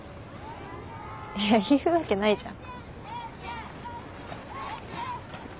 言うわけないじゃん。